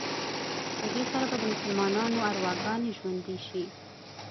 په دې سره به د مسلمانانو ارواګانې ژوندي شي.